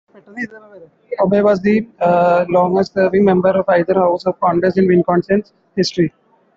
Obey was the longest-serving member of either house of Congress in Wisconsin's history.